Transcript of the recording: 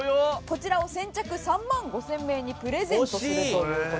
こちらを先着３万５０００名にプレゼントするという事です。